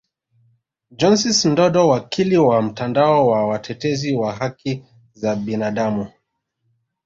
Johnsis Ndodo wakili wa mtandao wa watetezi wa haki za binadamu